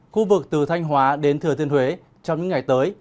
khu vực từ thanh hóa đến thừa thiên huế trong những ngày tới